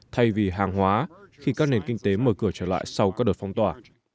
thay vì hàng hóa khi các nền kinh tế mở cửa trở lại sau các đợt phong tỏa